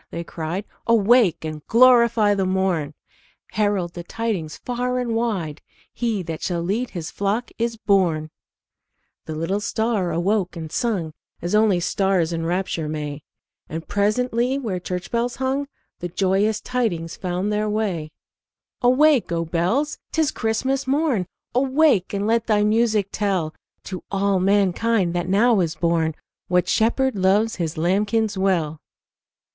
they cried. "Awake and glorify the morn! Herald the tidings far and wide He that shall lead His flock is born!" The little star awoke and sung As only stars in rapture may, And presently where church bells hung The joyous tidings found their way. [Illustration: Share thou this holy time with me, The universal hymn of love. ] "Awake, O bells! 't is Christmas morn Awake and let thy music tell To all mankind that now is born What Shepherd loves His lambkins well!"